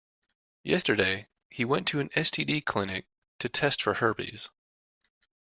Yesterday, he went to an STD clinic to test for herpes.